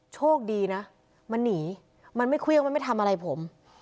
โชคดีนะมันหนีมันไม่เครื่องมันไม่ทำอะไรผม